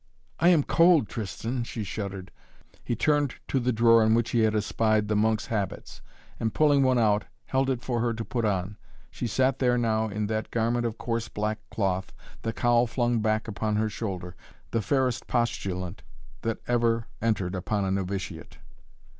"I am cold, Tristan," she shuddered. He turned to the drawer in which he had espied the monks' habits and pulling one out, held it for her to put on. She sat there now in that garment of coarse black cloth, the cowl flung back upon her shoulder, the fairest postulant that ever entered upon a novitiate.